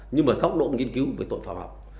nhưng mà khóc động nghiên cứu về tội phạm học